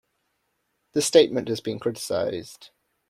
This statement has been criticized.